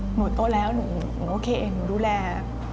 หนูโตแล้วหนูโอเคเองหนูดูแล